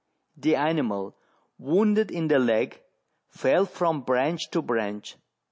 The animal, wounded in the leg, fell from branch to branch.